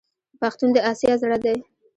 پښتون د اسیا زړه دی.